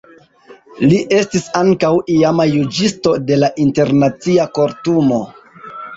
Li estis ankaŭ iama juĝisto de la Internacia Kortumo.